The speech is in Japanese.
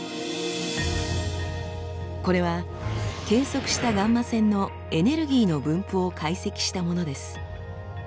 これは計測したガンマ線のエネルギーの分布を解析したものです。